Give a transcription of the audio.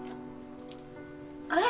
あれ？